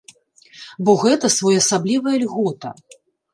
Бо гэта своеасаблівая льгота.